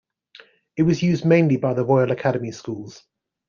It was used mainly by the Royal Academy Schools.